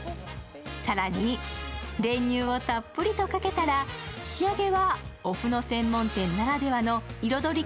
更に、練乳をたっぷりとかけたら仕上げはお麩の専門店ならではの彩り